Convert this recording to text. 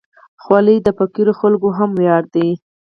خولۍ د فقیرو خلکو هم ویاړ ده.